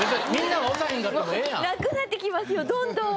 なくなってきますよどんどん。